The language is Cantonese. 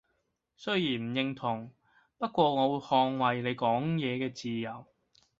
雖然唔認同，不過我會捍衛你講嘢嘅自由